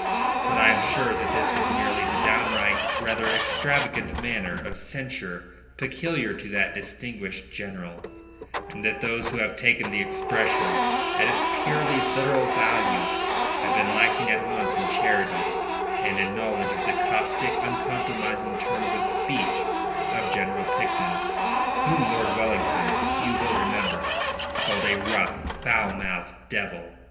But I am sure that this was merely the downright, rather extravagant manner, of censure peculiar to that distinguished general, and that those who have taken the expression at its purely literal value have been lacking at once in charity and in knowledge of the caustic, uncompromising terms of speech of General Picton whom Lord Wellington, you will remember, called a rough, foulmouthed devil.